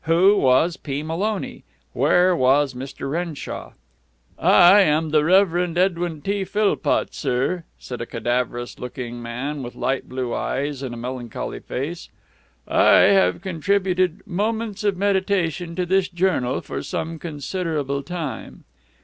Who was P. Maloney? Where was Mr. Renshaw? "I am the Reverend Edwin T. Philpott, sir," said a cadaverous looking man with light blue eyes and a melancholy face. "I have contributed 'Moments of Meditation' to this journal for some considerable time."